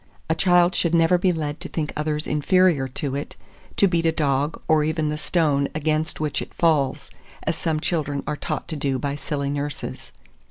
A child should never be led to think others inferior to it, to beat a dog, or even the stone against which it falls, as some children are taught to do by silly nurses.